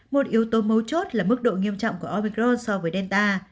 một yếu tố mấu chốt là mức độ nghiêm trọng của opicros so với delta